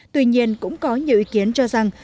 tuy nhiên cũng có nhiều ý kiến cho rằng